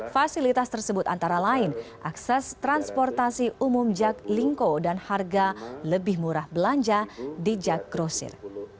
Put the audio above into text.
fasilitas tersebut antara lain akses transportasi umum jaklingko dan harga lebih murah belanja di jak grosir